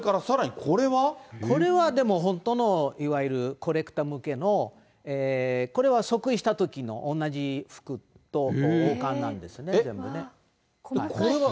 これはでも、本当のいわゆるコレクター向けの、これは即位したときの同じ服と王冠なんですね、えっ、これは？